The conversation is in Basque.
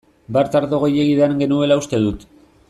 Bart ardo gehiegi edan genuela uste dut.